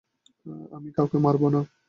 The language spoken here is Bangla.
আমি কাউকে মারব না।